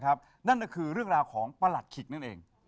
ไอ้บาอันนี้สืบเบื้องสืบท็อตมาจากคุ้มปู่